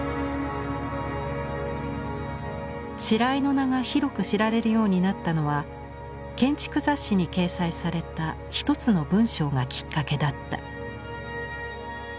白井の名が広く知られるようになったのは建築雑誌に掲載された１つの文章がきっかけだった。